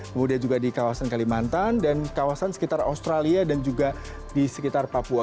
kemudian juga di kawasan kalimantan dan kawasan sekitar australia dan juga di sekitar papua